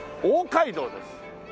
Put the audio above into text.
大街道です。